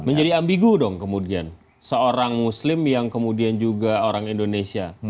menjadi ambigu dong kemudian seorang muslim yang kemudian juga orang indonesia